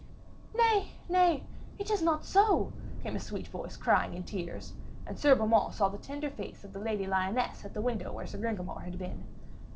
'Nay, nay, it is not so!' came a sweet voice crying in tears, and Sir Beaumains saw the tender face of the Lady Lyones at the window where Sir Gringamor had been.